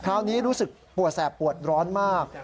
คราวนี้รู้สึกปวดแสบปวดร้อนมาก